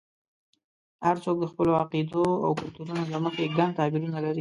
هر څوک د خپلو عقیدو او کلتورونو له مخې ګڼ تعبیرونه لري.